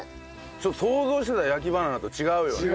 ちょっと想像してた焼きバナナと違うよね。